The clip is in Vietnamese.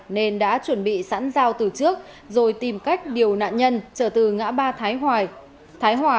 nên đã chuẩn bị sẵn dao từ trước rồi tìm cách điều nạn nhân trở từ ngã ba thái hoài thái hòa